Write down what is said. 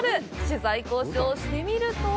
取材交渉してみると。